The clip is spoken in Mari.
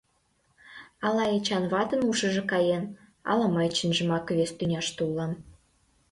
Ала Эчан ватын ушыжо каен, ала мый чынжымак вес тӱняште улам.